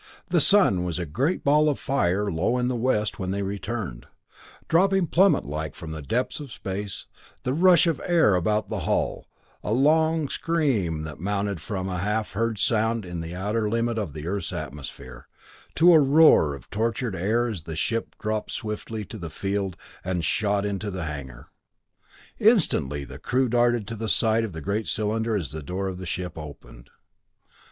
The sun was a great ball of fire low in the west when they returned, dropping plummet like from the depths of space, the rush of the air about the hull, a long scream that mounted from a half heard sound in the outer limits of the Earth's atmosphere, to a roar of tortured air as the ship dropped swiftly to the field and shot into the hanger. Instantly the crew darted to the side of the great cylinder as the door of the ship opened.